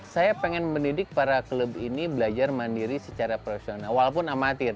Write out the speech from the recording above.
saya ingin mendidik para klub ini belajar mandiri secara profesional walaupun amatir